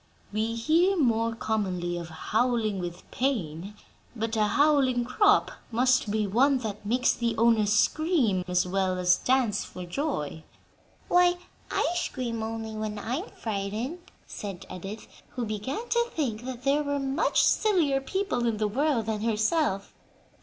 We hear more commonly of 'howling with pain,' but 'a howling crop' must be one that makes the owner scream, as well as dance for joy." "Why, I scream only when I'm frightened," said Edith, who began to think that there were much sillier people in the world than herself.